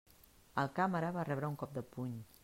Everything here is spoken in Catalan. El càmera va rebre un cop de puny.